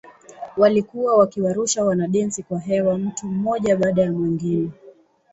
Walikuwa wakiwarusha wanadensi kwa hewa mtu mmoja baada ya mwingine.